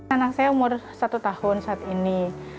anak saya umur satu tahun saat ini